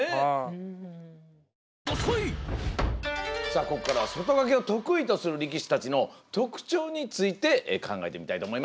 さあこっからは外掛けを得意とする力士たちの特徴について考えてみたいと思います。